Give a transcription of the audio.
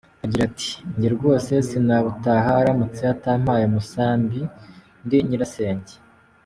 Agira ati “Njye rwose sinabutaha aramutse atampaye umusambi ndi nyirasenge.